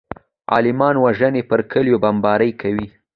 عالمان وژني پر کليو بمبارۍ کوي.